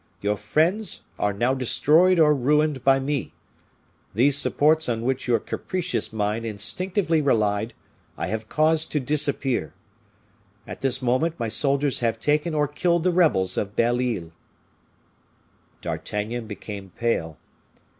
Your friends are now destroyed or ruined by me. These supports on which your capricious mind instinctively relied I have caused to disappear. At this moment, my soldiers have taken or killed the rebels of Belle Isle." D'Artagnan became pale.